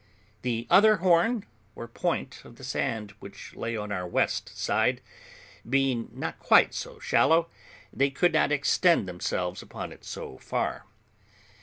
The other horn, or point of the sand, which lay on our west side, being not quite so shallow, they could not extend themselves upon it so far.